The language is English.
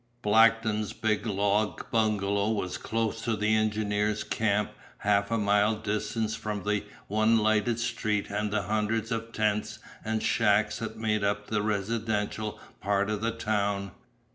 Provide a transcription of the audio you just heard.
] Blackton's big log bungalow was close to the engineers' camp half a mile distant from the one lighted street and the hundreds of tents and shacks that made up the residential part of the town.